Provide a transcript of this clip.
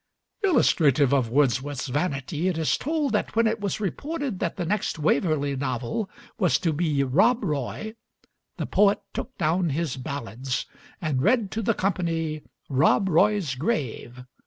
'" Illustrative of Wordsworth's vanity, it is told that when it was reported that the next Waverley novel was to be "Rob Roy," the poet took down his "Ballads" and read to the company "Rob Roy's Grave."